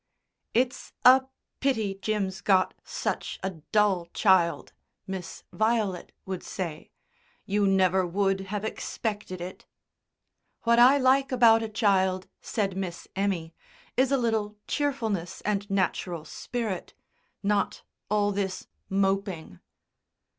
"It's a pity Jim's got such a dull child," Miss Violet would say. "You never would have expected it." "What I like about a child," said Miss Emmy, "is a little cheerfulness and natural spirit not all this moping."